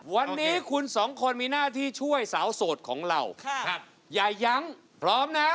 วันนี้คุณสองคนมีหน้าที่ช่วยสาวโสดของเราอย่ายั้งพร้อมนะ